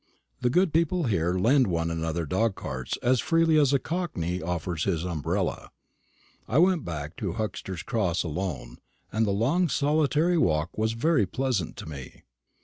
The good people here lend one another dog carts as freely as a cockney offers his umbrella. I went back to Huxter's Cross alone, and the long solitary walk was very pleasant to me.